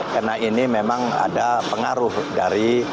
karena ini memang ada pengaruh dari